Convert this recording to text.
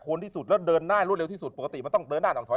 ที่สุดแล้วเดินหน้ารวดเร็วที่สุดปกติมันต้องเดินหน้าต้องถอย